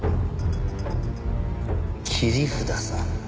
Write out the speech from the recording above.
切り札さ。